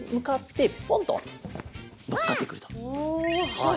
はい。